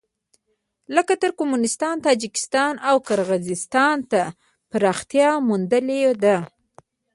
لکه ترکمنستان، تاجکستان او قرغېزستان ته پراختیا موندلې ده.